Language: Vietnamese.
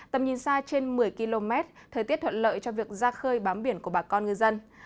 tầm nhìn xa trên một mươi km thời tiết thuận lợi cho việc ra khơi bám biển của bà con ngư dân